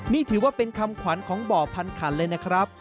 นี่ถือว่าเป็นคำขวัญของบ่อพันขันเลยนะครับ